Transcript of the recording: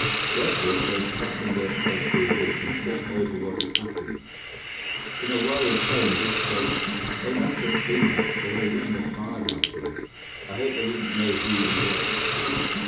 Breathless, they slackened their pace to a walk and talked over what had happened. In a worried tone, Biff said: "They must have seen us or they wouldn't have fired after us. I hope they didn't know who we were."